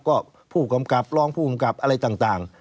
ก็ผู้กำกับรองผู้กำกับอะไรต่าง